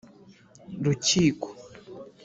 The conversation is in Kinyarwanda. rukiko,